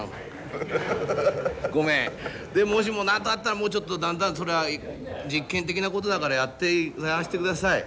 ごめんでももしも何かあったらもうちょっとだんだんそれは実験的なことだからやらしてください。